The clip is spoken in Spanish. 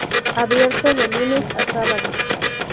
Abierto de lunes a sábados.